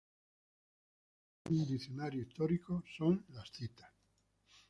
Lo esencial en un diccionario histórico son las citas.